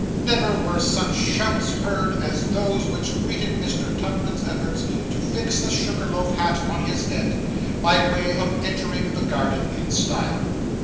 Never were such shouts heard as those which greeted Mr. Tupman's efforts to fix the sugar loaf hat on his head, by way of entering the garden in style.